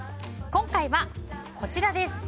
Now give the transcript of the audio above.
今回はこちらです。